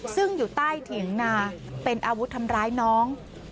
ซึ่งอยู่ใต้เถียงนาเป็นอาวุธทำร้ายน้อง